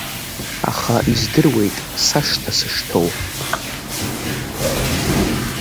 Аха издыруеит сашҭа сышҭоу.